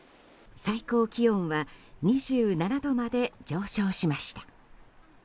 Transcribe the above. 最高気温は２７度まで上昇しました。